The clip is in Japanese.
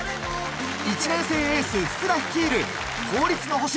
１年生エース福田率いる公立の星